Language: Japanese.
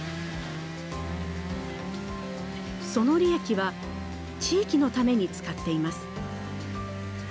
その利益は地域のために使っています。